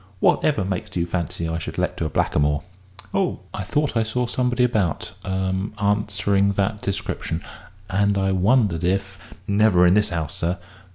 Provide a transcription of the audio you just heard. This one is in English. Whatever made you fancy I should let to a blackamoor?" "Oh, I thought I saw somebody about er answering that description, and I wondered if " "Never in this 'ouse, sir.